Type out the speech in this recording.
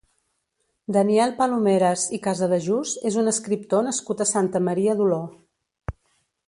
Daniel Palomeras i Casadejús és un escriptor nascut a Santa Maria d'Oló.